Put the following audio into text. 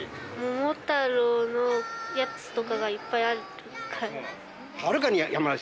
桃太郎のやつとかがいっぱいあるから。